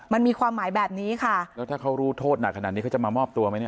มันมีความหมายแบบนี้ค่ะแล้วถ้าเขารู้โทษหนักขนาดนี้เขาจะมามอบตัวไหมเนี่ย